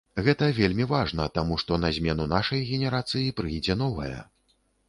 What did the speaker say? Гэта вельмі важна, таму што на змену нашай генерацыі прыйдзе новая.